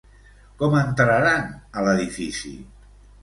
Com entraran a l'edifici?